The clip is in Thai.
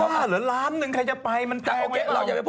อะหล้านหนึ่งใครจะไปมันแพ้ไหม